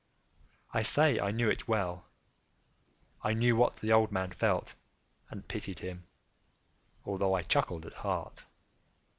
I say I knew it well. I knew what the old man felt, and pitied him, although I chuckled at heart.